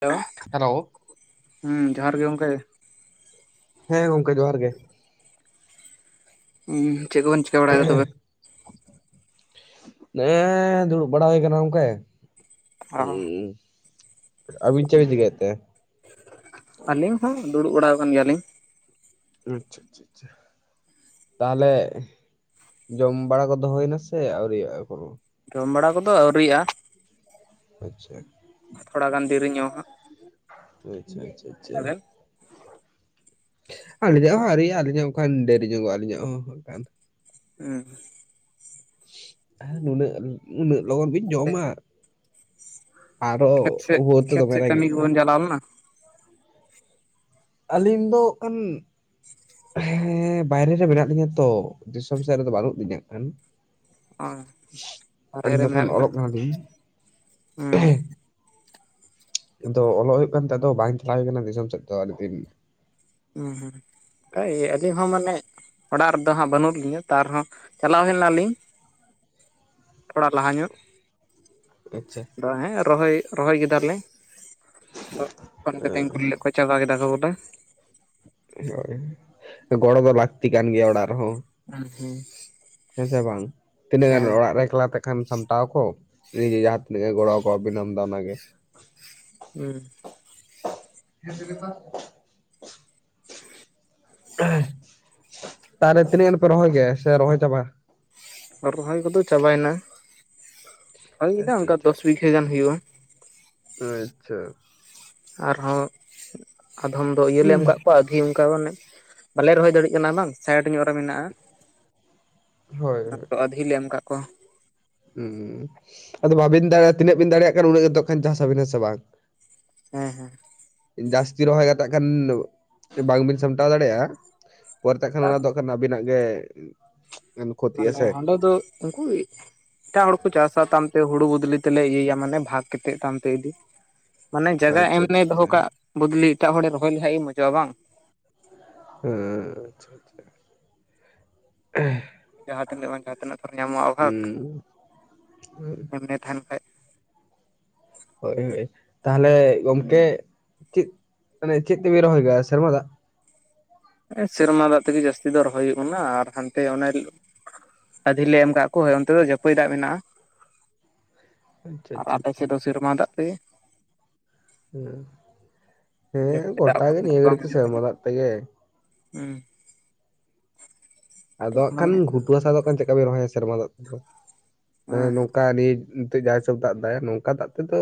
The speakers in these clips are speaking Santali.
ᱦᱮᱞᱳ, ᱦᱮᱞᱳ ᱦᱩᱸ ᱡᱚᱦᱟᱨ ᱜᱮ ᱜᱚᱢᱠᱮ᱾ ᱦᱮᱸ ᱜᱚᱝᱠᱮ ᱡᱚᱦᱟᱨᱜ ᱜᱮ᱾ ᱩᱸᱦ ᱪᱮᱫ ᱠᱚᱵᱮᱱ ᱪᱤᱠᱟ ᱵᱟᱲᱟᱭᱫᱟ ᱛᱚᱵᱮ? ᱱᱮᱜ-ᱮᱸ, ᱫᱩᱲᱩᱵ ᱵᱟᱲᱟ ᱦᱩᱭ ᱠᱟᱱᱟ ᱜᱚᱝᱠᱮ᱾ ᱚ ᱦᱩᱸ, ᱟᱵᱤᱱ ᱪᱮᱫᱵᱤᱫ ᱪᱤᱠᱟᱹᱭᱮᱫ ᱛᱮ? ᱟᱹᱞᱤᱧ ᱦᱚᱸ ᱫᱩᱲᱩᱵ ᱵᱟᱲᱟᱣ ᱠᱟᱱ ᱜᱮᱭᱟᱞᱤᱧ᱾ ᱟᱪᱪᱷᱟ ᱟᱪᱪᱷᱟ ᱟᱪᱪᱷᱟ᱾ ᱛᱟᱦᱞᱮ ᱡᱚᱢ ᱵᱟᱲᱟ ᱠᱚᱫᱚ ᱦᱳᱭᱱᱟ ᱥᱮ ᱟᱹᱣᱨᱤᱭᱟᱜ-ᱟ ᱮᱠᱷᱚᱱᱚ? ᱡᱚᱢ ᱵᱟᱲᱟ ᱠᱚᱫᱚ ᱟᱹᱣᱨᱤᱭᱣᱟᱜᱼᱟ᱾ ᱟᱪᱪᱷᱟ᱾ ᱛᱷᱚᱲᱟᱜᱟᱱ ᱫᱮᱨᱤ ᱧᱚᱜ ᱟᱪᱪᱷᱟ ᱟᱪᱪᱷᱟ ᱟᱪᱪᱷᱟ ᱦᱟᱸᱜ᱾ ᱟᱹᱞᱤᱧᱟᱜ ᱦᱚᱸ ᱟᱹᱣᱨᱤᱭᱟᱜᱼᱟ ᱟᱹᱞᱤᱧᱟᱜ ᱦᱚᱸ ᱟᱠᱷᱟᱱ ᱰᱮᱨᱤ ᱧᱚᱜᱟᱜᱼᱟ ᱟᱹᱞᱤᱧᱟᱜ ᱦᱚᱸ ᱦᱟᱸᱜ ᱠᱷᱟᱱ᱾ ᱦᱩᱸ᱾ ᱦᱮᱸ ᱱᱩᱱᱟᱹᱜ ᱩᱱᱟᱹᱜ ᱞᱚᱜᱚᱱ ᱵᱤᱱ ᱡᱚᱢᱟ? ᱟᱨᱦᱚᱸ ᱠᱷᱮᱛ ᱥᱮᱫ ᱵᱷᱳᱨ ᱛᱮ ᱠᱷᱮᱛ ᱫᱚᱢᱮ ᱥᱮᱫ ᱠᱟᱹᱢᱤ ᱨᱮᱜᱮᱸᱡ-ᱟ᱾ ᱠᱚᱵᱚᱱ ᱪᱟᱞᱟᱣ ᱞᱮᱱᱟ? ᱟᱹᱞᱤᱧ ᱫᱚ ᱦᱟᱠᱟᱱ ᱦᱮᱸ ᱵᱟᱭᱨᱮ ᱨᱮ ᱢᱮᱱᱟᱜ ᱞᱤᱧᱟᱹ ᱛᱚ, ᱫᱤᱥᱚᱢ ᱥᱮᱫ ᱨᱮᱫᱚ ᱵᱟᱹᱱᱩᱜ ᱞᱤᱧᱟ ᱦᱟᱸᱜᱠᱷᱟᱱ᱾ ᱚ ᱵᱟᱦᱨᱮ ᱨᱮ ᱫᱚ ᱠᱷᱟᱱ ᱢᱮᱱᱟᱜ ᱵᱮᱱᱟ᱾ ᱚᱞᱚᱜ ᱠᱟᱱᱟᱞᱤᱧ ᱦᱮᱸ᱾ ᱟᱫᱚ ᱚᱞᱚᱜ ᱦᱩᱭᱩᱜ ᱠᱟᱱ ᱛᱮ ᱟᱫᱚ ᱵᱟᱝ ᱪᱟᱞᱟᱣ ᱦᱩᱭ ᱠᱟᱱᱟ ᱫᱤᱥᱚᱢ ᱥᱮᱫ ᱫᱚ ᱟᱹᱰᱤ ᱫᱤᱱ᱾ ᱦᱩᱸ ᱦᱩᱸ ᱚᱱᱠᱟ ᱤᱭᱟᱹ ᱟᱹᱞᱤᱧ ᱦᱚᱸ ᱢᱟᱱᱮ ᱚᱲᱟᱜ ᱨᱮᱫᱚ ᱦᱟᱸᱜ ᱵᱟᱹᱱᱩᱜ ᱞᱤᱧᱟ ᱛᱟᱨ ᱨᱮᱦᱚᱸ ᱪᱟᱞᱟᱣ ᱦᱮᱞᱱᱟᱞᱤᱧ᱾ ᱛᱷᱚᱲᱟ ᱞᱟᱦᱟ ᱧᱚᱜ᱾ ᱟᱪᱪᱷᱟ᱾ ᱟᱫᱚ ᱦᱮᱸ ᱨᱚᱦᱚᱭ, ᱨᱚᱦᱚᱭ ᱠᱮᱫᱟ ᱞᱮ ᱛᱚᱜ ᱯᱷᱳᱱ ᱠᱟᱛᱮᱧ ᱠᱩᱞᱤ ᱞᱮᱫ ᱚᱠᱚᱭ ᱪᱟᱵᱟ ᱠᱮᱫᱟ ᱠᱚ ᱵᱚᱞᱮ᱾ ᱦᱳᱭ ᱜᱚᱲᱚ ᱫᱚ ᱞᱟᱹᱠᱛᱤ ᱠᱟᱱ ᱜᱮᱭᱟ ᱚᱲᱟᱜ ᱨᱮᱦᱚᱸ᱾ ᱦᱩᱸ ᱦᱩᱸ ᱦᱮᱸᱥᱮ ᱵᱟᱝ, ᱛᱤᱱᱟᱹᱜ ᱜᱟᱱ ᱦᱮᱸ ᱚᱲᱟᱜ ᱨᱮ ᱮᱠᱞᱟ ᱛᱮ ᱠᱷᱟᱱ ᱥᱟᱢᱴᱟᱣ ᱠᱚ ᱱᱤᱡᱮ ᱡᱟᱦᱟᱸ ᱛᱤᱱᱟᱹᱜ ᱜᱮ ᱜᱚᱲᱚ ᱠᱚᱣᱟᱵᱤᱱ ᱟᱢᱫᱚ ᱚᱱᱟᱜᱮ᱾ ᱦᱩᱸ᱾ ᱜᱮᱸᱫᱽ ᱨᱤᱱᱟᱜ ᱛᱟᱦᱞᱮ ᱛᱤᱱᱟᱹᱜ ᱜᱟᱱ ᱯᱮ ᱨᱚᱦᱚᱭ ᱜᱮᱜ-ᱟ᱾ ᱥᱮ ᱨᱚᱦᱚᱭ ᱪᱟᱵᱟ? ᱟᱨ ᱨᱚᱦᱚᱭ ᱠᱚᱫᱚ ᱪᱟᱵᱟᱭᱱᱟ, ᱵᱷᱟᱹᱜᱤ ᱠᱤᱫᱟ ᱟᱪᱪᱷᱟ ᱚᱱᱠᱟ ᱟᱪᱪᱷᱟ ᱫᱚᱥ ᱵᱤᱜᱷᱟᱹ ᱜᱟᱱ ᱦᱩᱭᱩᱜ-ᱟ᱾ ᱟᱪᱪᱷᱟ᱾ ᱟᱨᱦᱚᱸ ᱟᱫᱷᱚᱢ ᱫᱚ ᱤᱭᱟᱹ ᱞᱮ ᱮᱢ ᱦᱩᱸ ᱠᱟᱜ ᱠᱚᱣᱟ᱾ ᱟᱹᱫᱷᱤ ᱚᱱᱠᱟ ᱢᱟᱱᱮ ᱵᱟᱞᱮ ᱨᱚᱦᱚᱭ ᱫᱟᱹᱲᱤ ᱠᱟᱱᱟ ᱵᱟᱝ ᱥᱟᱭᱤᱰ ᱧᱚᱜ ᱨᱮ ᱦᱳᱭ ᱢᱮᱱᱟᱜ-ᱟ᱾ᱟᱹᱫᱷᱤ ᱞᱮ ᱮᱢ ᱠᱟᱫ ᱠᱚᱣᱟ ᱾ ᱠᱚᱦ᱾ ᱦᱩᱸ ᱟᱫᱚ ᱵᱟᱵᱤᱱ ᱫᱟᱲᱮᱭᱟ᱾ᱛᱤᱱᱟᱹᱜ ᱵᱤᱱ ᱫᱟᱲᱮᱭᱟᱜ ᱠᱟᱱᱟ ᱠᱷᱟᱱ ᱪᱟᱥ ᱟᱵᱤᱱᱟ ᱥᱮ ᱵᱟᱝ? ᱦᱮᱸ ᱦᱮᱸ᱾ ᱡᱟᱹᱥᱛᱤ ᱨᱚᱦᱚᱭ ᱜᱷᱟᱴᱟᱜ ᱠᱷᱟᱱ ᱵᱟᱝᱵᱤᱱ ᱥᱟᱢᱴᱟᱣ ᱫᱟᱲᱮᱭᱟᱜ-ᱟ᱾ ᱯᱚᱨᱮ ᱛᱮ ᱠᱷᱟᱱ ᱵᱟᱝ ᱚᱱᱟ ᱫᱚ ᱠᱷᱟᱱ ᱟᱹᱵᱤᱱᱟᱜ ᱜᱮ᱾ ᱠᱷᱚᱛᱤᱜᱼᱟ ᱢᱟᱱᱮ ᱥᱮ ᱦᱟᱸᱰᱮ ᱫᱚ ᱩᱱᱠᱩᱭᱤᱡ? ᱮᱴᱟᱜ ᱦᱚᱲ ᱠᱚ ᱪᱟᱥᱟ ᱛᱟᱢᱛᱮ ᱦᱩᱲᱩ ᱵᱚᱫᱽᱞᱤ ᱛᱮᱞᱮ ᱤᱭᱟᱹᱭᱟ ᱢᱟᱱᱮ ᱵᱷᱟᱜ ᱠᱟᱛᱮᱫ ᱛᱟᱢᱛᱮ ᱤᱫᱤ ᱾ ᱢᱟᱱᱮ ᱟᱪᱪᱷᱟ ᱡᱟᱭᱜᱟ ᱮᱢᱱᱮ ᱟᱪᱪᱷᱟ ᱫᱚᱦᱚ ᱟᱪᱪᱷᱟ ᱠᱟᱜ ᱵᱚᱫᱽᱞᱤ ᱮᱴᱟᱜ ᱦᱚᱲᱮ ᱨᱚᱦᱚᱭ ᱞᱮᱠᱷᱟᱱᱡ ᱜᱮ ᱢᱚᱡᱚᱜ-ᱟ ᱵᱟᱝ? ᱦᱮᱸ ᱟᱪᱪᱷᱟ ᱟᱪᱪᱷᱟ᱾ ᱮᱸᱦ᱾ ᱡᱟᱦᱟᱸ ᱛᱤᱱᱟᱹᱜ ᱵᱟᱝ ᱡᱟᱦᱟᱸ ᱛᱤᱱᱟᱹᱜ [unintelligible] ᱧᱟᱢᱚᱜ-ᱟ, ᱵᱷᱟᱟᱜ ᱦᱩᱸ ᱮᱢᱱᱮ ᱛᱟᱦᱮᱱ ᱠᱷᱟᱡ᱾ ᱦᱳᱭ ᱦᱳᱭ ᱛᱟᱦᱞᱮ ᱜᱚᱝᱠᱮ ᱪᱮᱫ ᱢᱟᱱᱮ ᱪᱮᱫ ᱛᱮᱵᱤᱱ ᱨᱚᱦᱚᱭ ᱠᱟᱜ-ᱟ, ᱥᱮᱨᱢᱟ ᱫᱟᱜ? ᱦᱮᱸ ᱥᱮᱨᱢᱟ ᱫᱟᱜ ᱛᱮᱜᱮ ᱡᱟᱹᱥᱛᱤ ᱫᱚ ᱨᱚᱦᱚᱭ ᱦᱩᱭᱩᱜ ᱠᱟᱱᱟ ᱟᱨ ᱦᱟᱱᱛᱮ ᱚᱱᱮ ᱨᱤᱡ ᱟᱹᱫᱷᱤ ᱞᱮ ᱮᱢ ᱠᱟᱜ ᱠᱚ ᱦᱳᱭ ᱚᱱᱛᱮ ᱫᱚ ᱡᱟᱹᱯᱟᱹᱭ ᱫᱟᱜ ᱢᱮᱱᱟᱜ-ᱟ᱾ ᱟᱪᱪᱷᱟ ᱟᱨ ᱟᱪᱪᱷᱟ ᱟᱯᱮ ᱟᱪᱪᱷᱟ ᱥᱮᱡ ᱫᱚ ᱥᱮᱨᱢᱟ ᱫᱟᱜ ᱛᱮ ᱜᱮ᱾ ᱦᱮᱸ, ᱦᱮᱸ ᱡᱟᱹᱯᱤᱫᱟᱜ ᱜᱚᱴᱟ ᱜᱮ ᱱᱤᱭᱟᱹ ᱜᱷᱟᱹᱲᱤᱡ ᱫᱚ ᱥᱮᱨᱢᱟ ᱫᱟᱜ ᱛᱮᱜᱮ ᱾ ᱦᱮᱸ᱾ ᱟᱫᱚ ᱦᱟᱸᱜ ᱠᱷᱟᱱ ᱜᱷᱩᱴᱩ ᱦᱟᱥᱟ ᱫᱚ ᱦᱟᱸᱜ ᱠᱷᱟᱱ ᱪᱮᱠᱟ ᱵᱮᱱ ᱨᱚᱦᱚᱭᱟ? ᱥᱮᱨᱢᱟ ᱫᱟᱜ‌ ᱛᱮ ᱫᱚ ᱱᱚᱝᱠᱟ ᱱᱤᱛ ᱾ ᱱᱤᱛᱮ ᱡᱟᱦᱟᱸ ᱦᱤᱥᱟᱹᱵᱽ ᱫᱟᱜ ᱫᱟ ᱱᱚᱝᱠᱟ ᱫᱟᱜ ᱛᱮᱫᱚ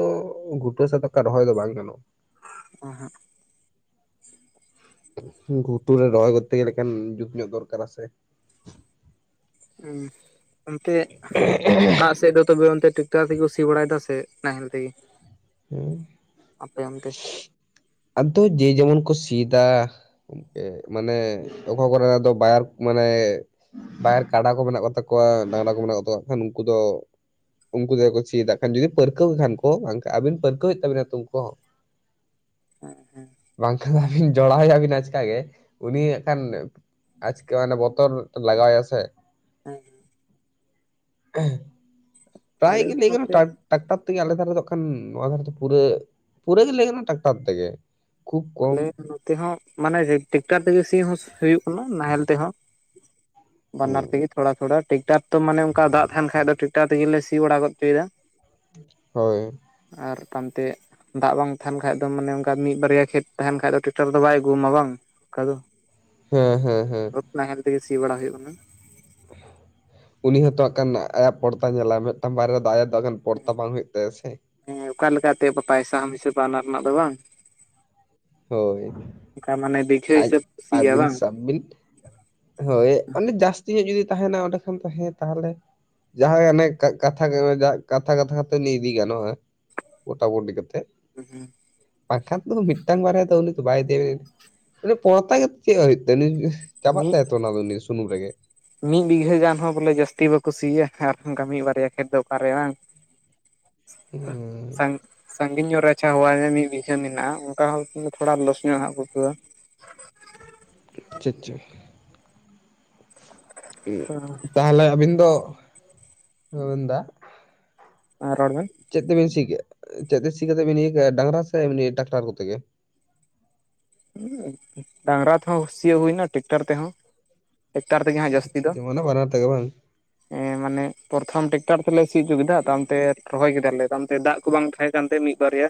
ᱜᱷᱩᱴᱩ ᱦᱟᱥᱟ ᱫᱚ ᱚᱠᱟ ᱨᱚᱦᱚᱭ ᱫᱚ ᱵᱟᱝ ᱜᱟᱱᱚᱜ-ᱟ ᱾ ᱚ ᱦᱟᱸᱜ᱾ ᱜᱷᱩᱴᱩ ᱨᱮ ᱨᱚᱦᱚᱭ ᱠᱚᱨᱛᱮ ᱜᱮᱞᱮ ᱠᱷᱟᱱ ᱡᱩᱛ ᱧᱚᱜ ᱫᱚᱨᱠᱟᱨᱟ ᱥᱮ? ᱦᱚᱸ ᱚᱱᱛᱮᱡ ᱚᱲᱟᱜ ᱥᱮᱡ ᱫᱚ ᱾ ᱛᱚᱵᱮ ᱚᱱᱛᱮ ᱴᱮᱠᱴᱟᱨ ᱛᱮᱠᱩ ᱥᱤ ᱵᱟᱲᱟᱭ ᱫᱟ ᱥᱮ ᱱᱟᱦᱮᱞ ᱛᱮᱜᱮ? ᱦᱮᱸ, ᱟᱯᱮ ᱚᱱᱛᱮ ᱟᱫᱚ ᱡᱮ ᱡᱮᱢᱚᱱ ᱠᱚ ᱥᱤᱭᱫᱟ᱾ ᱢᱤᱫᱴᱮᱡ ᱢᱟᱱᱮ ᱚᱠᱟ ᱠᱚᱨᱮᱱᱟᱜ ᱫᱚ ᱵᱟᱭᱟᱨ ᱠᱚ ᱢᱟᱱᱮ ᱵᱟᱭᱟᱨ ᱠᱟᱰᱟ ᱠᱚ ᱢᱮᱱᱟᱜ ᱠᱚᱛᱟ ᱠᱚᱣᱟ᱾ ᱮᱱᱠᱷᱟᱱ ᱰᱟᱝᱨᱟ ᱠᱚ ᱢᱮᱱᱟᱜ ᱠᱚ ᱛᱟᱠᱚᱣᱟ ᱩᱱᱠᱩ ᱫᱚ ᱩᱱᱠᱩ ᱛᱮᱠᱚ ᱥᱤᱭᱫᱟ ᱦᱟᱸᱜ ᱠᱷᱟᱱ ᱡᱩᱫᱤ ᱯᱟᱹᱨᱠᱟᱹᱣ ᱠᱷᱟᱱ ᱠᱚ ᱾ ᱟᱹᱵᱤᱱ ᱯᱟᱹᱨᱠᱟᱹᱣᱮᱫ ᱛᱟᱵᱤᱱᱟ ᱛᱚ ᱤᱱᱠᱩ ᱦᱚᱸ ᱦᱮᱸ ᱦᱮᱸ ᱵᱟᱝᱠᱷᱟᱱ ᱡᱚᱲᱟᱣ ᱭᱟᱵᱮᱱ ᱟᱪᱠᱟ ᱜᱮ ᱩᱱᱤ ᱮᱸᱜ ᱠᱷᱟᱱ᱾ ᱟᱪᱠᱟ ᱢᱟᱱᱮ ᱵᱚᱛᱚᱨ ᱞᱟᱜᱟᱣ ᱭᱟ ᱥᱮ ᱾ ᱦᱮᱸ ᱾ ᱯᱨᱟᱭ ᱜᱮ ᱞᱟᱹᱭ ᱜᱟᱱᱚᱜ-ᱟ᱾ ᱱᱚᱛᱮ ᱴᱨᱟᱠ ᱴᱟᱠᱴᱟᱨ ᱛᱮᱜᱮ ᱟᱞᱮ ᱫᱷᱟᱨᱮ ᱫᱚ ᱠᱷᱟᱱ ᱱᱚᱣᱟ ᱫᱷᱟᱨᱮ ᱛᱮ ᱯᱩᱨᱟᱹ, ᱯᱩᱨᱟᱹ ᱜᱮ ᱞᱟᱹᱭ ᱜᱟᱱᱚᱜ-ᱟ, ᱴᱟᱠᱴᱟᱨ ᱛᱮᱜᱮ ᱠᱷᱩᱵ ᱠᱚᱢ ᱟᱞᱮ ᱾ ᱱᱚᱛᱮ ᱦᱚᱸ ᱢᱟᱱᱮ ᱴᱮᱠᱴᱟᱨ ᱛᱮᱜᱮ ᱥᱤ ᱦᱚᱸ ᱦᱩᱭᱩᱜ ᱢᱟ ᱱᱟᱦᱮᱞ ᱛᱮᱦᱚᱸ ᱾ ᱵᱟᱱᱟᱨ ᱛᱮᱜᱮ ᱛᱷᱚᱲᱟ ᱛᱷᱚᱲᱟ ᱴᱮᱠᱴᱟᱨ ᱛᱚ ᱢᱟᱱᱮ ᱚᱱᱠᱟ ᱫᱟᱜ ᱛᱟᱦᱮᱱ ᱠᱷᱟᱡ ᱫᱚ ᱴᱮᱨᱟᱠᱴᱟᱨ ᱛᱮᱜᱮᱞᱮ ᱥᱤ ᱵᱟᱲᱟ ᱜᱚᱫ ᱪᱚᱭ ᱫᱟ ᱾ ᱦᱳᱭ᱾ ᱟᱨ ᱯᱟᱱᱛᱮ ᱫᱟᱜ ᱵᱟᱝ ᱛᱟᱦᱮᱱ ᱠᱷᱟᱡ ᱫᱚ ᱢᱟᱱᱮ ᱚᱱᱠᱟ ᱢᱤᱫ ᱵᱟᱨᱭᱟ ᱠᱷᱮᱛ ᱛᱟᱦᱮᱱ ᱠᱷᱟᱱ ᱫᱚ ᱴᱮᱠᱴᱟᱨ ᱫᱚ ᱵᱟᱭ ᱟᱹᱜᱩᱣᱟ ᱢᱟ ᱵᱟᱝ ᱚᱱᱠᱟ ᱫᱚ ᱾ ᱦᱮᱸ ᱦᱮᱸ ᱦᱮᱸ᱾ ᱱᱟᱦᱮᱞ ᱛᱮᱜᱮ ᱥᱤ ᱵᱟᱲᱟ ᱦᱩᱭᱩᱜ ᱠᱟᱱᱟ᱾ ᱩᱱᱤ ᱦᱚᱸᱛᱚ ᱦᱟᱸᱜ ᱠᱷᱟᱱ ᱟᱭᱟᱜ ᱯᱚᱲᱛᱟ ᱧᱮᱞᱟ ᱢᱤᱫᱴᱟᱝ ᱵᱟᱨᱮᱭᱟ ᱫᱚ ᱟᱭᱟᱜ ᱫᱚ ᱯᱚᱲᱛᱟ ᱵᱟᱝ ᱦᱩᱭᱩᱜ ᱛᱟᱭᱟ ᱥᱮ ᱾ ᱦᱮᱸ ᱚᱠᱟ ᱞᱮᱠᱟᱛᱮ ᱯᱟᱭᱥᱟ ᱮᱢ ᱦᱤᱥᱟᱹᱵ ᱚᱱᱟ ᱨᱮᱱᱟᱜ ᱫᱚ ᱵᱟᱝ? ᱦᱳᱭ ᱚᱱᱠᱟ ᱢᱟᱱᱮ ᱵᱤᱜᱷᱟᱹ ᱟᱡ ᱦᱤᱥᱟᱹᱵ ᱠᱚ ᱥᱤᱭᱟ ᱟᱹᱵᱤᱱ ᱵᱟᱝ ᱥᱟᱵ ᱵᱤᱱ ᱦᱳᱭ ᱚᱱᱮ ᱡᱟᱹᱥᱛᱤ ᱧᱚᱜ ᱡᱩᱫᱤ ᱛᱟᱦᱮᱱᱟ ᱚᱸᱰᱮ ᱠᱷᱟᱱ ᱛᱟᱦᱮᱸ ᱛᱟᱦᱚᱞᱮ ᱡᱟᱦᱟᱸ ᱟᱱᱮ ᱠᱟᱛᱷᱟ ᱠᱟᱛᱷᱟ ᱠᱟᱛᱷᱟ ᱠᱟᱛᱮ ᱞᱟᱹᱭ ᱤᱫᱤ ᱜᱟᱱᱚᱜᱼᱟ᱾ ᱜᱚᱴᱟ ᱜᱩᱴᱤ ᱠᱟᱛᱮᱫ᱾ ᱦᱩᱸ᱾ [unintelligible] ᱛᱳ ᱢᱤᱫ ᱢᱤᱫᱴᱟᱝ ᱵᱟᱨᱟᱭ ᱫᱚ ᱩᱱᱤ ᱫᱚ ᱵᱟᱭ ᱤᱫᱤᱭ, ᱩᱱᱤ ᱯᱚᱨᱛᱟ ᱜᱮᱛ ᱪᱮᱜ ᱵᱟᱭ ᱦᱩᱭᱩᱜ ᱛᱟ ᱩᱱᱤ ᱪᱟᱵᱟᱜ ᱢᱤᱫ ᱛᱟᱭᱟ ᱛᱚ ᱳᱱᱟ ᱫᱚ ᱱᱤᱭᱟ. ᱥᱩᱱᱩᱢ ᱨᱮᱜᱮ ᱾ ᱢᱤᱫ ᱵᱤᱜᱷᱟᱹ ᱜᱟᱱ ᱦᱚᱸ ᱵᱚᱞᱮ ᱡᱟᱹᱥᱛᱤ ᱵᱟᱠᱩ ᱥᱤᱭᱟ ᱟᱨ ᱚᱱᱠᱟ ᱢᱤᱫ ᱵᱟᱨᱭᱟ ᱠᱷᱮᱛ ᱫᱚ ᱚᱠᱟᱨᱮ ᱵᱟᱝ ᱾ [inaudible] [unintelligible] ᱥᱟᱝ ᱥᱟᱺᱜᱤᱧ ᱧᱚᱜ ᱨᱮ ᱟᱪᱪᱷᱟ ᱦᱚᱦᱚ ᱣᱟᱭ ᱢᱮ ᱢᱤᱫ ᱵᱤᱜᱷᱟᱹ ᱢᱮᱱᱟᱜᱼᱟ ᱚᱝᱠᱟ ᱦᱚᱸ ᱛᱷᱚᱲᱟ ᱞᱚᱥ ᱧᱚᱜ ᱦᱟᱸᱜ ᱟᱹᱭᱠᱟ. ᱣᱼᱟ ᱾ ᱟᱪᱷᱟ ᱟᱪᱷᱟ ᱾ ᱟᱹᱭᱠᱟᱹᱣᱟ ᱛᱟᱦᱮᱞᱮ ᱟᱵᱤᱱ ᱫᱚ ᱢᱮᱱ ᱫᱟ ᱦᱮᱸ ᱨᱚᱲ ᱵᱮᱱ ᱾ ᱪᱮᱫ ᱛᱮᱵᱮᱱ ᱥᱤ ᱠᱮᱜ-ᱟ ᱪᱮᱜ ᱛᱮ ᱥᱤ ᱠᱟᱛᱮ ᱵᱤᱱ ᱤᱭᱟᱹ ᱠᱮᱜᱼᱟ ᱰᱟᱝᱨᱟ ᱥᱮ ᱮᱢᱱᱤ ᱴᱟᱠᱴᱟᱨ ᱠᱚᱛᱮ ᱜᱮ? ᱰᱟᱝᱨᱟ ᱛᱮᱦᱚᱸ ᱥᱤᱭᱟᱹᱜ ᱦᱩᱭᱱᱟ ᱴᱮᱠᱴᱟᱨ ᱛᱮᱦᱚᱸ ᱾ ᱴᱮᱠᱴᱟᱨ ᱛᱮᱜᱮ ᱦᱟᱸᱜ ᱡᱟᱹᱥᱛᱤ ᱟᱪᱪᱷᱟ ᱫᱚ ᱾ ᱡᱮᱢᱚᱱ ᱵᱟᱱᱟᱨ ᱛᱮᱜᱮ ᱵᱟᱝ ᱮ ᱢᱟᱱᱮ ᱯᱚᱨᱛᱷᱚᱢ ᱴᱮᱠᱴᱟᱨ ᱛᱮᱞᱮ ᱥᱤ ᱩᱪᱩ ᱠᱮᱫᱟ ᱛᱟᱭᱚᱢ ᱛᱮ ᱨᱚᱦᱚᱭ ᱠᱮᱫᱟᱞᱮ ᱛᱟᱭᱚᱢ ᱛᱮ ᱫᱟᱜ ᱠᱚ ᱵᱟᱝ ᱛᱟᱦᱮᱸ ᱠᱟᱱᱛᱮ ᱢᱤᱫ ᱵᱟᱨᱭᱟ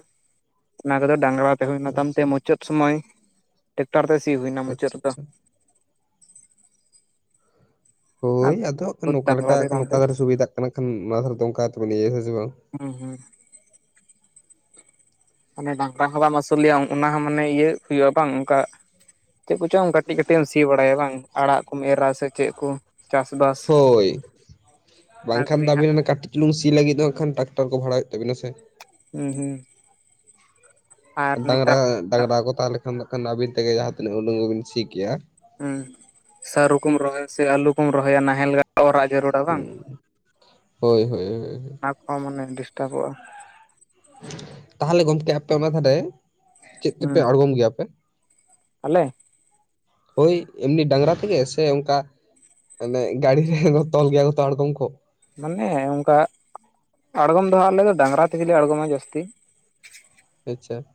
ᱚᱱᱟ ᱠᱚᱫᱚ ᱰᱟᱝᱨᱟ ᱛᱮ ᱦᱩᱭᱱᱟ ᱛᱟᱢ ᱛᱮ ᱟᱪᱪᱷᱟ ᱢᱩᱪᱟᱹᱫ ᱥᱚᱢᱚᱭ ᱴᱮᱠᱴᱟᱨ ᱛᱮ ᱥᱤ ᱦᱩᱭᱱᱟ ᱢᱩᱪᱟᱹᱫ ᱟᱪᱪᱷᱟ ᱨᱮᱫᱚ ᱟᱪᱪᱷᱟ ᱾ ᱦᱳᱭ ᱟᱫᱚ ᱱᱚᱠᱟ ᱰᱟᱝᱨᱟ ᱛᱮ ᱞᱮᱠᱟ ᱵᱟᱝ ᱱᱚᱠᱟ ᱛᱮ ᱫᱷᱟᱨᱮ ᱥᱩᱵᱤᱫᱟᱜ ᱠᱟᱱᱟ ᱠᱷᱟᱱ ᱱᱚᱣᱟ ᱫᱷᱟᱨᱮ ᱫᱚ ᱚᱝᱠᱟ ᱫᱚᱠᱚ ᱞᱟᱹᱭᱟ ᱦᱮᱸ ᱥᱮ ᱵᱟᱝ! ᱦᱩᱸ ᱦᱩᱸ ᱾ ᱢᱟᱱᱮ ᱰᱟᱝᱨᱟ ᱦᱚᱸ ᱵᱟᱢ ᱟᱹᱥᱩᱞ ᱮᱭᱟ ᱚᱱᱟ ᱦᱚᱸ ᱢᱟᱱᱮ ᱤᱭᱟᱹ ᱦᱩᱭᱩᱜᱼᱟ ᱵᱟᱝ ᱚᱝᱠᱟ ᱪᱮᱜ ᱠᱚᱪᱚᱝ ᱠᱟᱹᱴᱤᱡ ᱠᱟᱹᱴᱤᱡ ᱮᱢ ᱥᱤ ᱵᱟᱲᱟᱭᱟ ᱵᱟᱝ ᱟᱲᱟᱜ ᱠᱚᱢ ᱮᱨᱟ ᱥᱮ ᱪᱮᱜ ᱠᱚ ᱾ ᱦᱳᱭ, ᱚᱱᱟ ᱵᱟᱝᱠᱷᱟᱱ ᱠᱚᱜᱮ ᱫᱚ ᱦᱟᱸᱜ ᱟᱹᱵᱤᱱ ᱚᱱᱟ ᱠᱟᱹᱴᱤᱡ ᱪᱩᱞᱩᱝ ᱥᱤ ᱞᱟᱹᱜᱤᱫ ᱦᱟᱸᱜ ᱠᱷᱟᱱ ᱴᱨᱟᱠᱟᱨ ᱠᱚ ᱵᱷᱟᱲᱟ ᱦᱩᱭᱩᱜ ᱛᱟᱵᱤᱱᱟ ᱥᱮ ᱾ ᱦᱩᱸ ᱦᱩᱸ ᱾ ᱰᱟᱝᱨᱟ ᱰᱟᱝᱨᱟ ᱠᱚ ᱛᱟᱸᱦᱮ ᱞᱮᱠᱷᱟᱱ ᱠᱷᱟᱱ ᱫᱚ ᱱᱟᱦᱜ ᱠᱷᱟᱱ ᱟᱵᱤᱱ ᱛᱮᱜᱮ ᱡᱟᱦᱟᱸ ᱛᱤᱱᱟᱹᱜ ᱩᱰᱩᱝ ᱵᱤᱱ ᱥᱤ ᱠᱮᱭᱟ᱾ ᱦᱮᱸ ᱥᱟᱹᱨᱩ ᱠᱚᱢ ᱨᱚᱦᱚᱭᱟ ᱥᱮ ᱟᱞᱩ ᱠᱚᱢ ᱨᱚᱦᱚᱭᱼᱟ ᱱᱟᱦᱮᱞ ᱚᱨᱟᱜ ᱡᱟᱹᱨᱩᱲᱟ ᱵᱟᱝ ᱦᱩᱸ ᱦᱳᱭ ᱦᱳᱭ ᱦᱳᱭ ᱾ ᱦᱚᱸ ᱢᱟᱱᱮ ᱰᱤᱥᱴᱟᱵᱚᱜᱼᱟ ᱾ ᱛᱟᱦᱟᱞᱮ ᱜᱚᱢᱠᱮ ᱟᱯᱮ ᱚᱱᱟ ᱫᱷᱟᱨᱮ ᱪᱮᱜ ᱛᱮᱯᱮ ᱦᱩᱸ ᱟᱬᱜᱚᱢ ᱜᱮᱭᱟ ᱟᱯᱮ? ᱟᱞᱮ ᱦᱳᱭ ᱮᱢᱱᱤ ᱰᱟᱝᱨᱟ ᱛᱮᱜᱮ ᱥᱮ ᱚᱝᱠᱟ ᱢᱟᱱᱮ ᱜᱟᱹᱲᱤ ᱨᱮ ᱛᱚᱞ ᱜᱮᱭᱟ ᱠᱚᱛᱚ ᱟᱬᱜᱟᱢ ᱠᱚ ᱾ ᱢᱟᱱᱮ ᱚᱝᱠᱟ ᱟᱬᱜᱚᱢ ᱫᱚ ᱦᱟᱸᱜ ᱟᱞᱮ ᱫᱚ ᱰᱟᱝᱨᱟ ᱛᱮᱜᱮ ᱞᱮ ᱟᱬᱜᱚᱢᱟ ᱡᱟᱹᱥᱛᱤ ᱾ ᱟᱪᱪᱷᱟ ᱾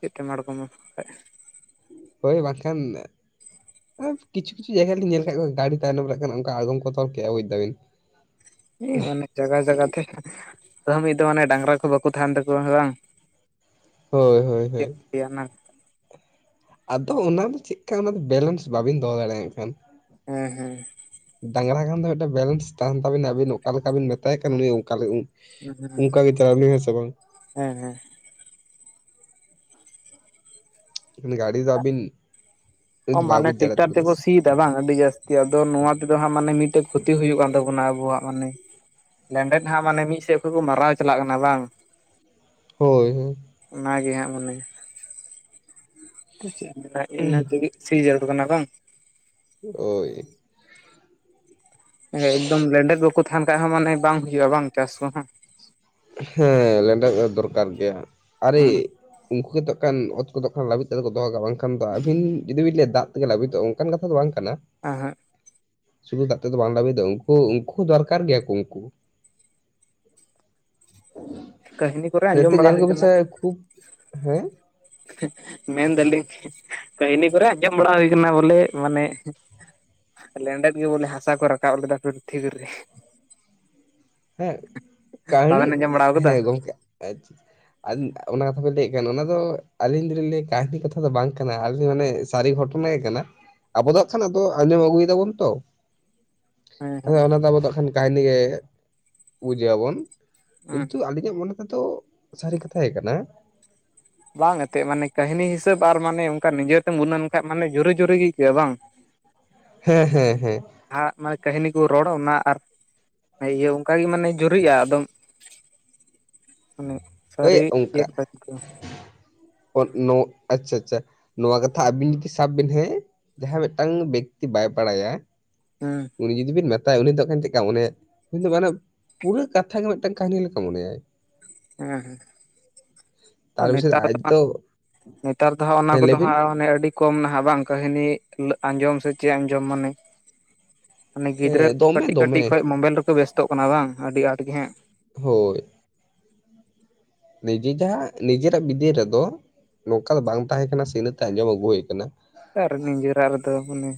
ᱪᱮᱫ ᱛᱮᱢ ᱟᱬᱜᱚᱢᱟ ᱵᱟᱠᱷᱟᱡ? ᱦᱳᱭ ᱵᱟᱝ ᱠᱷᱟᱱ ᱠᱤᱪᱷᱩ ᱠᱤᱪᱷᱩ ᱡᱟᱭᱜᱟ ᱞᱤᱧ ᱧᱮᱞ ᱠᱟᱜ ᱠᱚ, ᱜᱟᱲᱤ ᱛᱟᱭᱱᱚᱢ ᱨᱮ ᱠᱷᱟᱱ ᱚᱱᱠᱟ ᱟᱬᱜᱚᱢ ᱠᱚ ᱛᱚᱞ ᱠᱮᱜ-ᱟ, ᱵᱩᱡᱽ ᱫᱟᱵᱤᱱ ᱾ ᱦᱮᱸ ᱢᱟᱱᱮ ᱡᱟᱜᱟ ᱡᱟᱜᱟ ᱛᱮ ᱛᱟ ᱢᱤᱫ ᱫᱚᱢ ᱚᱱᱮ ᱰᱟᱝᱨᱟ ᱠᱚ ᱵᱟᱠᱚ ᱛᱟᱦᱮᱱ ᱛᱟᱠᱚᱣᱟ ᱥᱮ ᱵᱟᱝ ᱾ ᱦᱳᱭ ᱦᱳᱭ ᱦᱳᱭ ᱾ ᱛᱤᱭᱟᱹ ᱱᱟ ᱟᱫᱚ ᱚᱱᱟᱫᱚ ᱪᱮᱫ ᱠᱟ ᱚᱱᱟᱫᱚ ᱵᱮᱞᱮᱱᱥ ᱵᱟᱵᱤᱱ ᱫᱚᱦᱚ ᱫᱟᱲᱮᱭᱟᱜ ᱠᱷᱟᱱ ᱾ ᱦᱮᱸ ᱦᱮᱸ ᱾ ᱰᱟᱝᱨᱟ ᱠᱷᱟᱱ ᱫᱚ ᱢᱤᱫᱴᱮᱱ ᱵᱮᱞᱮᱱᱥ ᱛᱟᱦᱮᱱ ᱛᱟᱵᱤᱱᱟ ᱾ ᱟᱵᱤᱱ ᱚᱠᱟ ᱞᱮᱠᱟ ᱵᱤᱱ ᱢᱮᱛᱟᱭ ᱠᱟᱱ ᱩᱱᱤ ᱚᱝᱠᱟ ᱦᱩᱸ ᱦᱩᱸ ᱩᱝᱠᱟ ᱜᱤ ᱪᱟᱞᱟᱜ ᱟᱹᱵᱤᱱ ᱦᱮ ᱥᱮ ᱵᱟᱝ? ᱦᱮᱸ ᱦᱮᱸ ᱾ ᱩᱱᱤ ᱜᱟᱹᱲᱤ ᱫᱚ ᱟᱵᱤᱱ ᱚ ᱢᱟᱱᱮ ᱴᱮᱠᱴᱟᱨ ᱛᱮᱠᱚ ᱥᱤ ᱛᱮ ᱵᱟᱝ ᱟᱹᱰᱤ ᱡᱟᱹᱥᱛᱤ ᱾ ᱟᱫᱚ ᱱᱚᱣᱟ ᱛᱮᱫᱚ ᱦᱟᱸᱜ ᱢᱟᱱᱮ ᱢᱤᱫᱴᱮᱡ ᱠᱷᱚᱛᱤ ᱦᱩᱭᱩᱜ-ᱟ ᱾ ᱟᱫᱚ ᱚᱱᱟ ᱟᱵᱚᱣᱟᱜ ᱢᱟᱱᱮ ᱼᱼ ᱞᱮᱱᱰᱮᱫ ᱦᱟᱸᱜ ᱢᱟᱱᱮ ᱢᱤᱫ ᱫᱚᱠᱚ ᱢᱟᱨᱟᱣ ᱪᱟᱞᱟᱜ ᱠᱟᱱᱟ ᱵᱟᱝ? ᱦᱳᱭ ᱦᱳᱭᱼᱼ ᱚᱱᱟᱜᱮ ᱦᱟᱸᱜ ᱢᱟᱱᱮ ᱪᱮᱫ ᱮ [unintelligible] ᱢ ᱢᱮᱱᱟ, [unintelligible] ᱠᱟᱱᱟ ᱠᱟᱝ? ᱦᱳᱭᱼᱼ ᱮᱠᱫᱚᱢ ᱞᱮᱸᱰᱮᱫ ᱵᱟᱠᱚ ᱛᱟᱦᱮᱱ ᱠᱷᱟᱡ ᱦᱚᱸ ᱢᱟᱱᱮ ᱵᱟᱝ ᱦᱩᱭᱩᱜᱼᱟ ᱵᱟᱝ, ᱪᱟᱥ ᱠᱚᱦᱚᱸ? ᱦᱮᱸ ᱞᱮᱸᱰᱮᱫ ᱫᱚ ᱫᱚᱨᱠᱟᱨ ᱜᱮᱭᱟ ᱾ ᱟᱨᱮᱼᱼ ᱩᱱᱠᱩ ᱜᱮᱛᱚ ᱠᱷᱟᱱ ᱚᱛ ᱠᱚᱫᱚ ᱠᱷᱟᱱ ᱞᱟᱹᱵᱤᱫ ᱠᱟᱛᱮ ᱠᱚ ᱫᱚᱦᱚ ᱠᱟᱜᱼᱟ ᱾ ᱵᱟᱝᱠᱷᱟᱱ ᱫᱚ ᱟᱹᱵᱤᱱ ᱡᱩᱫᱤᱵᱤᱱ ᱞᱟᱹᱭᱼᱟ ᱫᱟᱜ ᱛᱮᱜᱮ ᱞᱟᱹᱵᱤᱫᱚᱜᱼᱟ, ᱚᱱᱠᱟᱱ ᱠᱟᱛᱷᱟ ᱫᱚ ᱵᱟᱝ ᱠᱟᱱᱟ ᱾ ᱮᱸᱦᱮᱜᱼᱼ ᱥᱩᱫᱷᱩ ᱠᱟᱛᱮ ᱫᱚ ᱵᱟᱝ ᱞᱟᱹᱵᱤᱫ ᱫᱚᱝᱼᱟ ᱾ ᱩᱱᱠᱩ, ᱩᱱᱠᱩ ᱫᱚᱨᱠᱟᱨ ᱜᱮᱭᱟ ᱠᱚ ᱩᱱᱠᱩ᱾ ᱠᱟᱹᱦᱱᱤ ᱠᱚᱨᱮ ᱟᱸᱡᱚᱢ ᱱᱤᱛᱚᱜ ᱵᱟᱲᱟ ᱧᱮᱞ ᱦᱩᱭ ᱠᱚᱵᱤᱱ ᱠᱟᱱᱟ ᱥᱮ, ᱠᱷᱩᱵ ᱦᱮᱸᱼᱼ ᱢᱮᱱ ᱫᱟᱞᱤᱧᱼᱼ ᱠᱟᱹᱦᱱᱤ ᱠᱚᱨᱮ ᱟᱸᱡᱚᱢ ᱵᱟᱲᱟ ᱦᱩᱭ ᱠᱟᱱᱟ ᱾ᱵᱚᱞᱮ ᱢᱟᱱᱮᱼᱼ ᱞᱮᱸᱰᱮᱫ ᱜᱮ ᱵᱚᱞᱮ ᱦᱟᱥᱟ ᱠᱚ ᱨᱟᱠᱟᱵ ᱞᱮᱫᱟ ᱯᱨᱤᱛᱷᱤᱵᱤ ᱨᱮ ᱾ ᱦᱮᱸ ᱠᱟᱹᱦᱱᱤ ᱵᱟᱵᱮᱱ ᱟᱸᱡᱚᱢ ᱵᱟᱲᱟ ᱟᱠᱟᱫᱟ ᱦᱮᱸ ᱜᱚᱝᱠᱮ ᱟᱪᱪᱷᱟ ᱾ ᱟᱹᱞᱤᱧ ᱚᱱᱟ ᱠᱟᱛᱷᱟ ᱵᱤᱱ ᱞᱟᱹᱭᱮᱫ ᱠᱷᱟᱱ ᱾ ᱚᱱᱟᱫᱚ ᱟᱹᱞᱤᱧ ᱫᱚᱞᱤᱧ ᱞᱟᱹᱭᱮᱫ, ᱠᱟᱹᱦᱱᱤ ᱠᱟᱛᱷᱟ ᱫᱚ ᱵᱟᱝ ᱠᱟᱱᱟ ᱾ ᱟᱹᱞᱤᱧ ᱢᱟᱱᱮ ᱥᱟᱹᱨᱤ ᱜᱷᱚᱴᱚᱱᱟ ᱜᱮ ᱠᱟᱱᱟ ᱾ᱟᱵᱚ ᱫᱚ ᱦᱟᱜ ᱠᱷᱟᱱ ᱟᱸᱡᱚᱢ ᱟᱹᱜᱩᱭ ᱫᱟᱵᱚᱱ ᱛᱚ ᱦᱮᱸ ᱾ ᱟᱫᱚ ᱦᱮᱸ ᱚᱱᱟ ᱟᱵᱚ ᱫᱚ ᱱᱟᱜ ᱠᱷᱟᱱ ᱠᱟᱹᱦᱱᱤ ᱜᱮ ᱾ ᱵᱩᱡ ᱮᱫ ᱟᱵᱚᱱ ᱾ ᱠᱤᱱᱛᱩ ᱟᱞᱤᱧᱟᱜ ᱢᱚᱱᱮ ᱛᱮᱫᱚ ᱥᱟᱹᱨᱤ ᱠᱟᱛᱷᱟ ᱜᱮ ᱠᱟᱱᱟ ᱾ ᱵᱟᱝ ᱮᱱᱛᱮᱫ ᱢᱟᱱᱮ ᱠᱟᱹᱦᱱᱤ ᱦᱤᱥᱟᱹᱵᱽ ᱟᱨ ᱢᱟᱱᱮ ᱚᱱᱠᱟ ᱱᱤᱡᱮᱛᱮᱢ ᱵᱩᱱᱟᱹᱱ ᱞᱮᱱᱠᱷᱟᱱ ᱮᱱᱛᱮᱫ ᱡᱳᱨᱮ ᱡᱳᱨᱮ ᱜᱮ ᱟᱹᱭᱠᱟᱹᱜᱼᱟ ᱵᱟᱝ? ᱦᱮᱸ ᱦᱮᱸ ᱦᱮᱸ ᱼᱼ ᱟᱜ ᱢᱟᱱᱮ ᱠᱟᱹᱦᱱᱤ ᱠᱚ ᱨᱚᱲ ᱚᱱᱟ ᱟᱨ ᱤᱭᱟᱹ ᱚᱱᱠᱟᱜᱮ ᱢᱟᱱᱮ ᱡᱩᱨᱤᱜᱼᱟ ᱾ ᱟᱫᱚᱢ ᱢᱟᱱᱮᱼᱼ ᱳᱭ ᱥᱟᱨᱤ [inaudible] ᱼᱼ ᱚ ᱱᱳ ᱟᱪᱪᱷᱟ ᱟᱪᱪᱷᱟ ᱾ ᱱᱚᱣᱟ ᱠᱟᱛᱷᱟ ᱟᱵᱤᱱ ᱡᱩᱫᱤ ᱥᱟᱵ ᱵᱤᱱ ᱦᱮᱸ ᱾ ᱡᱟᱦᱟᱸ ᱢᱤᱫᱴᱟᱝ ᱵᱮᱠᱛᱤ ᱵᱟᱭ ᱵᱟᱲᱟᱭᱟ ᱦᱮᱸᱼᱼ ᱩᱱᱤ ᱡᱩᱫᱤ ᱵᱤᱱ ᱢᱮᱛᱟᱭᱟ, ᱩᱱᱤ ᱫᱚᱠᱷᱟᱱ ᱪᱮᱫ ᱠᱟ ᱢᱚᱱᱮᱭᱟ ᱾ ᱩᱱᱤ ᱫᱚ ᱢᱟᱱᱮ ᱯᱩᱨᱟᱹ ᱠᱟᱛᱷᱟ ᱜᱮ ᱢᱤᱫᱴᱟᱝ ᱠᱟᱹᱦᱱᱤ ᱞᱮᱠᱟ ᱢᱚᱱᱮᱭᱟᱭ ᱾ ᱦᱮᱸ ᱦᱮᱸᱼᱼ ᱟᱨ ᱛᱟᱨ ᱵᱤᱥᱚᱭ ᱱᱮᱛᱟᱨ ᱟᱡ ᱫᱚ ᱦᱟᱸᱜ ᱱᱮᱛᱟᱨ ᱫᱚ ᱦᱟᱸᱜ ᱚᱱᱟ ᱦᱮᱸ ᱞᱟᱹᱭ ᱠᱚᱫᱚ ᱵᱤᱱ ᱦᱟᱸᱜ ᱢᱚᱱᱮ ᱟᱹᱰᱤ ᱠᱚᱢ ᱱᱟᱦᱟᱜ ᱵᱟᱝ ᱠᱟᱹᱦᱱᱤ ᱞᱟᱹ ᱟᱸᱡᱚᱢ ᱥᱮ ᱪᱮᱫ ᱟᱸᱡᱚᱢ ᱢᱟᱱᱮ ᱢᱟᱱᱮ ᱜᱤᱫᱽᱨᱟᱹ ᱦᱮᱸ ᱫᱚᱢᱮ ᱠᱟᱹᱴᱤᱡ ᱠᱟᱹᱴᱤᱡ ᱫᱚᱢᱮ ᱠᱷᱚᱡ ᱢᱳᱵᱟᱭᱤᱞ ᱨᱮᱠᱚ ᱵᱮᱥᱛᱚᱜ ᱠᱟᱱᱟ ᱵᱟᱝ ᱟᱹᱰᱤ ᱟᱸᱴ ᱜᱮ ᱦᱟᱸᱜ᱾ ᱦᱳᱭ᱾ ᱱᱤᱡᱮᱨ ᱡᱟᱦᱟᱸ ᱱᱤᱡᱮᱨᱟᱜ ᱵᱤᱫᱟᱹᱭ ᱨᱮᱫᱚ ᱱᱚᱝᱠᱟ ᱫᱚ ᱵᱟᱝ ᱛᱟᱦᱮᱸ ᱠᱟᱱᱟ ᱥᱤ ᱤᱱᱟᱹᱛᱮ ᱟᱸᱡᱚᱢ ᱟᱹᱜᱩ ᱦᱩᱭ ᱟᱠᱟᱱᱟ᱾ ᱟᱨ ᱱᱤᱡᱮᱨᱟᱜ ᱨᱮᱫᱚ ᱢᱟᱱᱮ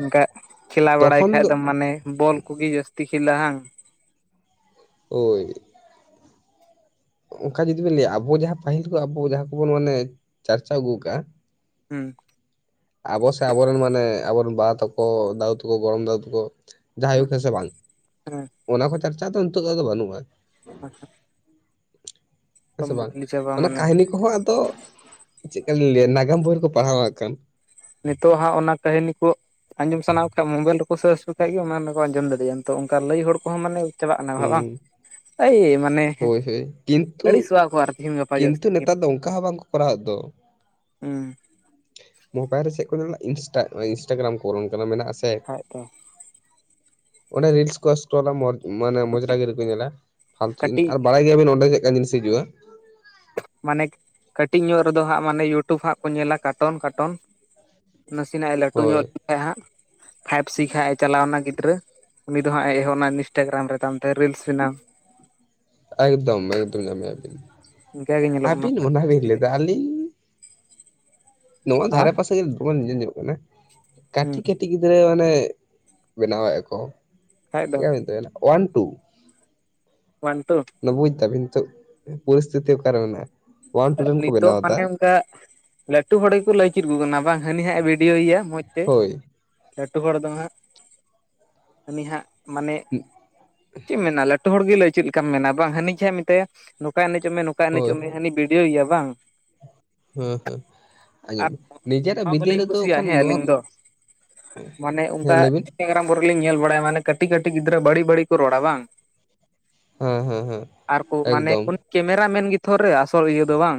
ᱚᱱᱠᱟ ᱠᱷᱮᱞᱟ ᱵᱟᱲᱟᱭ ᱛᱚᱠᱷᱚᱱ ᱠᱷᱟᱡ ᱫᱚ ᱫᱚᱢ ᱢᱟᱱᱮ ᱵᱚᱞ ᱠᱚᱜᱮ ᱵᱚᱞ ᱠᱚᱜᱮ ᱡᱟᱹᱥᱛᱤ ᱠᱮᱞᱟ ᱦᱟᱝ᱾ ᱦᱳᱭ᱾ ᱚᱱᱠᱟ ᱡᱩᱫᱤ ᱵᱤᱱ ᱞᱟᱹᱭᱟ ᱟᱵᱚ ᱡᱟᱦᱟᱸ ᱯᱟᱹᱦᱤᱞ ᱠᱷᱚᱡ ᱟᱵᱚ ᱡᱟᱦᱟᱸ ᱠᱚᱵᱚᱱ ᱢᱟᱱᱮ ᱪᱟᱨᱪᱟᱣ ᱟᱹᱜᱩᱣ ᱠᱟᱜᱼᱟ, ᱦᱩᱸ᱾ ᱟᱵᱚ ᱥᱮ ᱟᱵᱚᱨᱮᱱ ᱢᱟᱱᱮ ᱟᱵᱚᱨᱮᱱ ᱵᱟᱦ ᱛᱟᱠᱚ, ᱫᱟᱣ ᱛᱟᱠᱚ, ᱜᱚᱲᱚᱢ ᱫᱟᱹᱫᱩ ᱛᱟᱠᱚ ᱡᱟᱦᱟᱭ ᱜᱚ ᱠᱮ ᱥᱮ ᱵᱟᱝ ᱦᱮᱸ ᱚᱱᱟ ᱠᱚ ᱪᱟᱨᱪᱟ ᱫᱚ ᱱᱤᱛᱟᱜ ᱫᱚ ᱟᱫᱚ ᱵᱟᱹᱱᱩᱜᱼᱟ᱾ ᱚᱦᱚᱸᱜ᱾ ᱦᱮᱸ ᱥᱮ ᱵᱟᱝ ᱢᱟᱱᱮ ᱠᱟᱹᱦᱱᱤ ᱠᱚᱦᱚᱸ ᱟᱫᱚ ᱪᱮᱫᱠᱟᱞᱤᱧ ᱞᱟᱹᱭᱟ ᱱᱟᱜᱟᱢ ᱵᱳᱭ ᱨᱮᱠᱚ ᱯᱟᱲᱦᱟᱣ ᱦᱟᱸᱜ ᱠᱷᱟᱱ᱾ ᱱᱤᱛᱚᱜ ᱦᱟᱸᱜ ᱚᱱᱟ ᱠᱟᱹᱦᱤᱱᱤ ᱠᱚ ᱟᱸᱡᱚᱢ ᱥᱟᱱᱟ ᱠᱚ ᱠᱷᱟᱡ ᱢᱳᱵᱟᱭᱤᱞ ᱨᱮᱠᱚ ᱥᱟᱨᱪ ᱞᱮᱠᱟᱡ ᱜᱮ ᱚᱱᱟ ᱫᱚᱠᱚ ᱟᱸᱡᱚᱢ ᱫᱟᱲᱮᱭᱟᱜᱼᱟ᱾ ᱱᱤᱛᱚᱜ ᱚᱱᱠᱟ ᱞᱟᱹᱭ ᱦᱚᱲ ᱠᱚᱦᱚᱸ ᱢᱟᱱᱮ ᱪᱟᱵᱟᱜ ᱠᱟᱱᱟ ᱠᱚ ᱵᱟᱠᱷᱟᱡ ᱵᱟᱝ᱾ ᱦᱩᱸ ᱮᱭ ᱢᱟᱱᱮ ᱦᱳᱭ ᱦᱳᱭ ᱠᱤᱱᱛᱩ ᱟᱹᱲᱤᱥᱚᱜ-ᱟᱠᱚ ᱟᱨ ᱛᱤᱦᱤᱧ ᱜᱟᱯᱟ ᱡᱟᱥᱛᱤ᱾ ᱠᱤᱱᱛᱩ ᱱᱮᱛᱟᱨ ᱫᱚ ᱚᱱᱠᱟ ᱦᱚᱸ ᱵᱟᱝᱠᱚ ᱠᱚᱨᱟᱣᱮᱫ ᱫᱚ ᱦᱩᱸ᱾ ᱢᱳᱵᱟᱭᱤᱞ ᱨᱮ ᱪᱮᱫ ᱠᱚ ᱢᱮᱱᱟᱜ ᱤᱱᱥᱴᱟ ᱟᱸᱭ ᱤᱱᱥᱴᱟᱜᱨᱟᱢ ᱠᱚᱨᱮ ᱚᱱᱠᱟᱱᱟ ᱢᱮᱱᱟᱜ-ᱟ ᱥᱮ᱾ ᱠᱷᱟᱡ ᱫᱚ ᱚᱸᱰᱮ ᱨᱤᱞᱥ ᱠᱚᱥ ᱛᱚ ᱚᱱᱟ ᱡᱚᱡᱽ ᱢᱟᱱᱮ ᱢᱚᱡᱽᱨᱟ ᱜᱤᱨᱤ ᱠᱚ ᱧᱮᱞᱟ ᱯᱷᱟᱞᱛᱩ ᱡᱤᱱᱤᱡ ᱠᱟᱹᱴᱤᱡ ᱟᱨ ᱵᱟᱲᱟᱭ ᱜᱮᱭᱟᱵᱤᱱ ᱚᱸᱰᱮ ᱪᱮᱫᱠᱟᱱ ᱡᱤᱱᱤᱥ ᱦᱤᱡᱩᱜ-ᱟ᱾ ᱢᱟᱱᱮ ᱠᱟᱹᱴᱤᱡ ᱧᱚᱜ ᱨᱮᱫᱚ ᱦᱟᱸᱜ ᱢᱟᱱᱮ ᱤᱭᱩᱴᱩᱵᱽ ᱦᱟᱸᱜ ᱠᱚ ᱧᱮᱞᱟ ᱠᱟᱴᱚᱱ ᱠᱟᱴᱚᱱ᱾ ᱱᱟᱥᱮᱱᱟᱜ ᱮ ᱞᱟᱹᱴᱩ ᱦᱳᱭ ᱧᱚᱜ ᱞᱮᱱᱠᱷᱟᱱ ᱦᱟᱸᱜ ᱯᱷᱟᱭᱤᱵᱽ ᱥᱤᱠᱷ ᱦᱟᱸᱜ ᱮ ᱪᱟᱞᱟᱣᱱᱟ ᱜᱤᱫᱽᱨᱟᱹ᱾ ᱩᱱᱤ ᱫᱚ ᱦᱟᱸᱜ ᱮ ᱮᱦᱚᱵᱱᱟ ᱤᱱᱤᱥᱴᱟᱜᱨᱟᱢ ᱨᱮ ᱛᱟᱭᱚᱢ ᱛᱮ ᱨᱤᱞᱥ ᱵᱮᱱᱟᱣ᱾ ᱮᱠᱫᱚᱢ ᱮᱠᱫᱚᱢ ᱧᱟᱢᱮᱟᱵᱤᱱ᱾ ᱤᱱᱠᱟᱜᱮ ᱧᱮᱞᱚᱜ ᱠᱟᱱᱟ ᱟᱹᱵᱤᱱ ᱚᱱᱟ ᱵᱤᱱ ᱡᱟᱹᱥᱛᱤ ᱛᱮ ᱞᱟᱹᱭᱫᱟ ᱟᱞᱤ ᱱᱚᱣᱟ ᱫᱷᱟᱨᱮ ᱯᱟᱥᱮ ᱨᱮ ᱫᱚᱢᱮ ᱧᱮᱞ ᱧᱚᱜᱚᱜ ᱠᱟᱱᱟ᱾ ᱦᱮᱸ ᱠᱟᱹᱴᱤᱡ ᱠᱟᱹᱴᱤᱡ ᱜᱤᱫ ᱜᱤᱫᱽᱨᱟᱹ ᱢᱟᱱᱮ ᱵᱮᱱᱟᱣᱮᱫ-ᱟ ᱠᱚ᱾ ᱠᱷᱟᱡ ᱫᱚ ᱪᱮᱫᱠᱟ ᱱᱤᱱ ᱛᱟᱦᱮᱱᱟ ᱚᱣᱟᱱ ᱴᱩ᱾ One two? ᱢᱟᱱᱮ ᱵᱩᱡ ᱫᱟᱵᱤᱱ ᱱᱤᱛᱚᱜ ᱯᱚᱨᱤᱥᱛᱷᱤᱛᱤ ᱚᱠᱟᱨᱮ ᱢᱮᱱᱟᱜᱼᱟ᱾ ᱚᱣᱟᱱ ᱴᱩ ᱨᱮᱱ ᱠᱚ ᱱᱤᱛᱚᱜ ᱵᱮᱱᱟᱣ ᱮᱫᱟ ᱢᱟᱱᱮ ᱚᱱᱠᱟ ᱞᱟᱹᱴᱩ ᱦᱚᱲ ᱜᱮᱠᱚ ᱞᱟᱹᱭ ᱪᱮᱫ ᱟᱠᱚ ᱠᱟᱱᱟ ᱵᱟᱝ ᱦᱟᱹᱱᱤ ᱦᱟᱸᱜ ᱮ ᱵᱷᱤᱰᱤᱭᱳᱮᱭᱟ ᱢᱚᱡᱽ ᱛᱮ᱾ ᱦᱳᱭ ᱞᱟᱹᱴᱩ ᱦᱚᱲ ᱫᱚ ᱦᱟᱸᱜ ᱦᱟᱱᱤ ᱦᱟᱸᱜ ᱢᱟᱱᱮ ᱪᱮᱫ ᱮᱢ ᱢᱮᱱᱟ ᱞᱟᱹᱴ ᱴᱩ ᱦᱚᱲ ᱜᱮ ᱞᱟᱹᱭ ᱪᱮᱫ ᱞᱮᱠᱟᱢ ᱢᱮᱱᱟ ᱵᱟᱝ᱾ ᱦᱟᱹᱱᱤ ᱜᱮ ᱦᱟᱸᱜ ᱢᱮᱛᱟᱭ ᱱᱚᱝᱠᱟ ᱮᱱᱮᱡᱚᱜ ᱢᱮ ᱱᱚᱝᱠᱟ ᱦᱳᱭ ᱮᱱᱮᱡᱚᱜ ᱢᱮ᱾ ᱦᱟᱹᱱᱤ ᱵᱷᱤᱰᱭᱳᱮᱭᱟ ᱵᱟᱝ᱾ ᱦᱩᱸ ᱦᱩᱸ᱾ ᱟᱨ ᱟᱸᱡᱚᱢᱤᱱ ᱱᱤᱡᱮᱨᱟᱜ ᱱᱚᱣᱟ ᱵᱤᱫᱟᱹ ᱵᱟᱹᱞᱤᱧ ᱨᱮᱫᱚ ᱠᱩᱥᱤᱭᱟᱜᱼᱟ ᱟᱠᱷᱟᱱ ᱦᱮᱸ ᱱᱚᱣᱟ ᱟᱹᱞᱤᱧ ᱠᱚ ᱫᱚ ᱦᱮᱸ ᱞᱟᱹᱭᱵᱤᱱ᱾ ᱜᱨᱟᱢ ᱠᱚᱨᱮᱞᱤᱧ ᱧᱮᱞ ᱵᱟᱲᱟᱭᱟ ᱢᱟᱱᱮ ᱠᱟᱹᱴᱤᱡ ᱠᱟᱹᱴᱤᱡ ᱜᱤᱫᱽᱨᱟᱹ ᱵᱟᱹᱲᱤᱡ ᱵᱟᱹᱲᱤᱡ ᱠᱚ ᱨᱚᱲᱟ ᱵᱟᱝ? ᱦᱮᱸ ᱦᱮᱸ ᱦᱮᱸ ᱟᱨ ᱠᱚ ᱢᱟᱱᱮ ᱮᱠᱫᱚᱢ ᱩᱱᱤ ᱠᱮᱢᱮᱨᱟ ᱢᱮᱱ ᱜᱮᱛᱷᱚ ᱨᱮ ᱟᱥᱚᱞ ᱤᱭᱟᱹ ᱫᱚ ᱵᱟᱝ᱾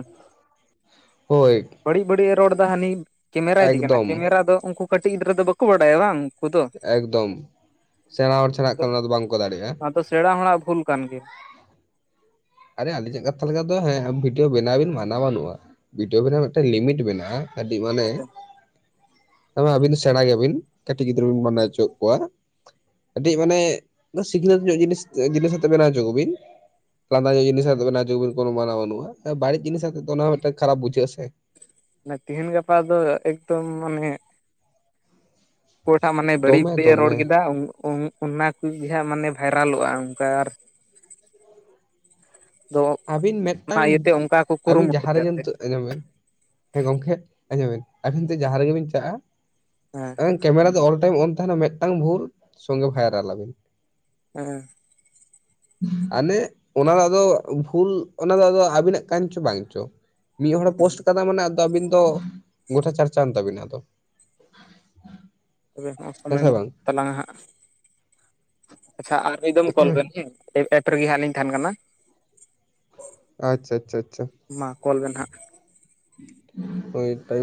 ᱦᱳᱭ᱾ ᱵᱟᱹᱲᱤᱡ ᱵᱟᱹᱲᱤᱡ ᱮ ᱨᱚᱲᱫᱟ ᱦᱟᱹᱱᱤ ᱠᱮᱢᱮᱨᱟ ᱤᱫᱤ ᱠᱟᱱᱟ, ᱮᱠᱫᱚᱢ ᱠᱮᱢᱮᱨᱟ ᱫᱚ ᱩᱱᱠᱩ ᱠᱟᱹᱴᱤᱡ ᱜᱤᱫᱽᱨᱟᱹ ᱫᱚ ᱵᱟᱠᱚ ᱵᱟᱰᱟᱭᱟ ᱵᱟᱝ ᱾ ᱮᱠᱫᱚᱢ ᱥᱮᱬᱟᱸ ᱦᱚᱲ ᱪᱷᱟᱲᱟ ᱦᱟᱜᱠᱷᱚᱱ ᱚᱱᱟ ᱫᱚ ᱵᱟᱝᱠᱚ ᱫᱟᱲᱮᱭᱟᱜᱼᱟ᱾ ᱛᱚ ᱥᱮᱬᱟᱸ ᱦᱚᱲᱟᱜ ᱵᱷᱩᱞ᱾ ᱠᱟᱱ ᱜᱮᱭᱟ᱾ ᱟᱨᱮ ᱟᱞᱤᱧᱟᱜ ᱠᱟᱛᱷᱟ ᱞᱮᱠᱟ ᱫᱚ ᱦᱮᱸ ᱵᱷᱤᱰᱭᱳ ᱵᱮᱱᱟᱣ ᱵᱤᱱ ᱢᱟᱱᱟ ᱵᱟᱹᱱᱩᱜᱼᱟ, ᱵᱷᱤᱰᱭᱳ ᱵᱮᱱᱟᱣ ᱢᱤᱫᱴᱮᱱ ᱞᱤᱢᱤᱴ ᱢᱮᱱᱟᱜᱼᱟ᱾ ᱾ ᱠᱟᱹᱴᱤᱡ ᱢᱟᱱᱮ ᱟᱹᱵᱤᱱ ᱥᱮᱬᱟ ᱜᱮᱭᱟᱵᱤᱱ ᱠᱟᱹᱴᱤᱡ ᱜᱤᱫᱽᱨᱟᱹ ᱵᱤᱱ ᱵᱟᱱᱟᱣ ᱦᱚᱪᱚᱭᱮᱫ ᱠᱚᱣᱟ ᱾ ᱠᱟᱹᱴᱤᱡ ᱢᱟᱱᱮ ᱥᱤᱠᱷᱱᱟᱹᱛ ᱧᱚᱜ ᱡᱤᱱᱤᱥ ᱡᱤᱱᱤᱥ ᱟᱛᱮ ᱵᱮᱱᱟᱣ ᱦᱚᱪᱚ ᱠᱚᱵᱤᱱ ᱾ ᱞᱟᱸᱫᱟ ᱧᱚᱜ ᱡᱤᱱᱤᱥ ᱟᱛᱮ ᱵᱮᱱᱟᱣ ᱪᱚ ᱠᱚᱵᱤᱱ ᱠᱳᱱᱳ ᱢᱟᱱᱟᱣ ᱵᱟᱹᱱᱩᱜᱼᱟ ᱵᱟᱹᱲᱤᱡ ᱡᱤᱱᱤᱥ ᱟᱛᱮᱫ ᱫᱚ ᱚᱱᱟ ᱦᱚᱸ ᱢᱤᱫᱴᱟᱝ ᱠᱷᱟᱨᱟᱯ ᱵᱩᱡᱷᱟᱹᱜ-ᱟ ᱥᱮ ᱾ ᱢᱟᱱᱮ ᱛᱮᱦᱮᱧ ᱜᱟᱯᱟ ᱫᱚ ᱮᱠᱫᱚᱢ ᱢᱟᱱᱮ ᱚᱠᱚᱭᱴᱟᱜ ᱦᱟᱜ ᱢᱟᱱᱮ ᱵᱟᱹᱲᱤᱡ ᱫᱚᱢᱮ ᱵᱟᱹᱲᱤᱡ ᱮ ᱫᱚᱢᱮ ᱨᱚᱲ ᱠᱮᱫᱟ ᱚᱱᱟ ᱠᱚᱜᱮ ᱦᱟᱸᱜ ᱢᱟᱱᱮ ᱵᱷᱟᱭᱨᱟᱞᱚᱜᱼᱟ ᱚᱱᱠᱟ ᱫᱚ ᱟᱹᱵᱤᱱ ᱚᱱᱟ ᱢᱤᱫᱴᱟᱝ, ᱤᱭᱟᱹᱛᱮ ᱚᱱᱠᱟ ᱠᱚ ᱟᱹᱵᱤᱱ ᱡᱟᱦᱟᱸ ᱠᱩᱨᱩᱢᱩᱴᱩᱭᱟ ᱨᱮᱜᱮ ᱮᱱᱛᱮᱫ ᱱᱤᱛᱚᱜ ᱟᱸᱡᱚᱢ ᱵᱮᱱ ᱦᱮᱸ ᱜᱚᱢᱠᱮ ᱟᱸᱡᱚᱢ ᱵᱮᱱ ᱟᱵᱤᱱ ᱱᱤᱛᱚ ᱡᱟᱦᱟᱸ ᱨᱮᱜᱮ ᱵᱤᱱ ᱪᱟᱜᱼᱟ ᱦᱮᱸ ᱠᱮᱢᱮᱨᱟ ᱫᱚ ᱚᱞ ᱴᱟᱭᱤᱢ ᱚᱱ ᱛᱟᱦᱮᱱᱟ ᱢᱤᱫᱴᱟᱝ ᱵᱷᱩᱞ ᱥᱚᱝᱜᱮ ᱵᱷᱟᱭᱨᱟᱞ ᱟᱵᱤᱱᱼᱼᱼ ᱦᱮᱸ ᱟᱞᱮ ᱚᱱᱟ ᱫᱚ ᱟᱫᱚ ᱵᱷᱩᱞ ᱚᱱᱟᱫᱚ ᱟᱫᱚ ᱟᱵᱤᱱᱟᱜ ᱠᱟᱱ ᱪᱚ ᱵᱟᱝ ᱪᱚ ᱢᱤᱫ ᱦᱚᱲᱮ ᱯᱳᱥᱴ ᱠᱟᱫᱟ ᱢᱟᱱᱮ ᱛᱚ ᱟᱵᱤᱱ ᱫᱚ ᱜᱚᱴᱟ ᱪᱟᱨᱪᱟᱣ ᱮᱱ ᱛᱟᱵᱤᱱᱟ ᱟᱫᱚ ᱾ ᱛᱚᱵᱮ ᱦᱟᱜᱸ ᱦᱮᱸ ᱥᱚᱢᱚᱭ ᱥᱮ ᱢᱟ ᱵᱟᱝ ᱛᱟᱞᱟᱝᱟ ᱦᱟᱸᱜ ᱟᱪᱪᱷᱟ ᱟᱨ ᱢᱤᱫ ᱫᱚᱢ ᱠᱚᱞ ᱵᱮᱱ ᱦᱮᱸ ᱮᱯ ᱮᱯ ᱨᱮᱜᱮ ᱦᱟᱸᱜ ᱞᱤᱧ ᱛᱟᱦᱮᱱ ᱠᱟᱱᱟ ᱾ ᱟᱪᱪᱷᱟ ᱟᱪᱪᱷᱟ ᱟᱪᱪᱷᱟ ᱢᱟ ᱠᱚᱞ ᱵᱮᱱ ᱦᱟᱜ ᱾ ᱦᱳᱭ ᱴᱟᱭᱤᱢ